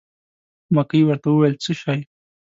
مکۍ ورته وویل: څه شی.